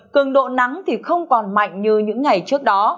cường độ nắng thì không còn mạnh như những ngày trước đó